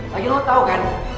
lagi lo tau kan